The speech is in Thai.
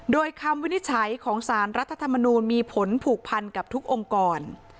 โดยคำวินิจฉัยของสารรัฐธรรมนูลมีผลผูกพันกับทุกองค์กร